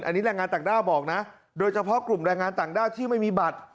อันนี้แรงงานต่างด้าวบอกนะโดยเฉพาะกลุ่มแรงงานต่างด้าวที่ไม่มีบัตร